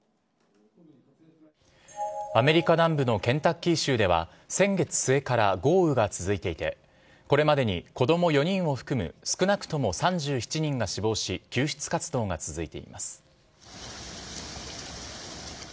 アメリカ南部のケンタッキー州では、先月末から豪雨が続いていて、これまでに子ども４人を含む少なくとも３７人が死亡し、救出活動が続いています。